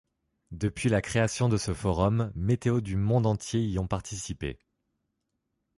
Depuis la création de ce forum, météo du monde entier y ont participé.